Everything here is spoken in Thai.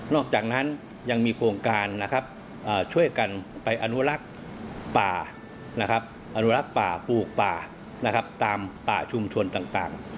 อกจากนั้นยังมีโครงการช่วยกันไปอนุรักษ์ป่าอนุรักษ์ป่าปลูกป่าตามป่าชุมชนต่าง